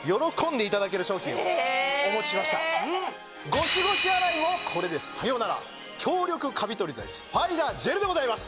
ゴシゴシ洗いもこれでサヨナラ強力カビ取り剤スパイダージェルでございます。